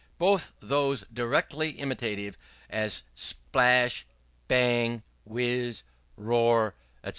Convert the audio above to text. Both those directly imitative, as splash, bang, whiz, roar, &c.